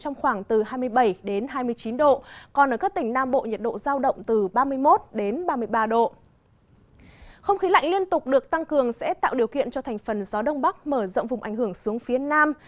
không khí lạnh liên tục được tăng cường sẽ tạo điều kiện cho thành phần gió đông bắc mở rộng vùng ảnh hưởng xuống phía nam